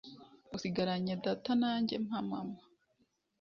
usigaranye data nanjye mpa mama